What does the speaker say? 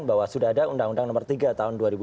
bahwa sudah ada undang undang nomor tiga tahun dua ribu dua